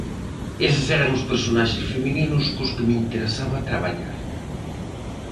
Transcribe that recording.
Eses eran os personaxes femininos cos que me interesaba traballar.